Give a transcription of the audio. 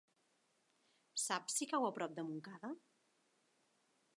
Saps si cau a prop de Montcada?